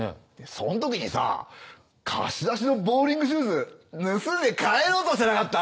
そんときにさ貸し出しのボウリングシューズ盗んで帰ろうとしてなかった？